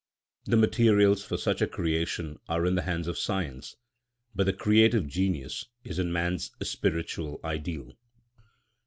The materials for such a creation are in the hands of science; but the creative genius is in Man's spiritual ideal.